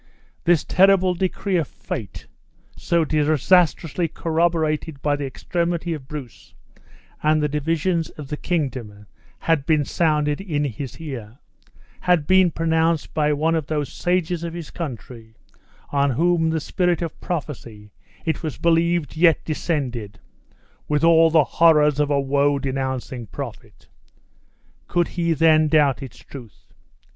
This terrible decree of fate, so disastrously corroborated by the extremity of Bruce, and the divisions in the kingdom, had been sounded in his ear, had been pronounced by one of those sages of his country, on whom the spirit of prophecy, it was believed, yet descended, with all the horrors of a woe denouncing prophet. Could he then doubt its truth?